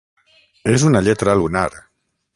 És una lletra lunar.